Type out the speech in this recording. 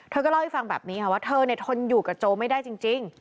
เธอก็เล่าให้ฟังแบบนี้ค่ะว่าเธอทนอยู่กับโจไม่ได้จริง